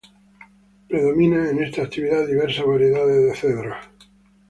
Predominan en esta actividad diversas variedades de cedros.